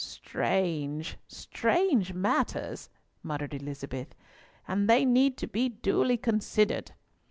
"Strange—strange matters," muttered Elizabeth, "and they need to be duly considered."